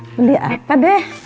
beli apa deh